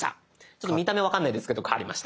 ちょっと見た目分かんないですけど変わりました。